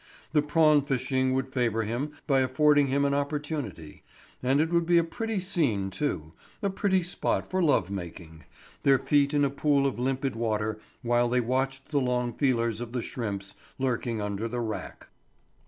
The prawn fishing would favour him by affording him an opportunity; and it would be a pretty scene too, a pretty spot for love making—their feet in a pool of limpid water while they watched the long feelers of the shrimps lurking under the wrack.